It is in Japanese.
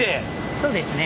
そうですね。